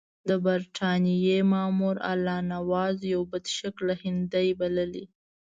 د برټانیې مامور الله نواز یو بدشکله هندی بللی.